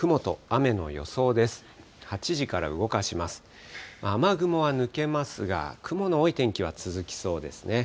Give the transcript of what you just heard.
雨雲は抜けますが、雲の多い天気は続きそうですね。